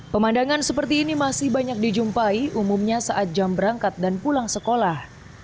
pemandangan seperti ini masih banyak dijumpai umumnya saat jam berangkat dan pulang sekolah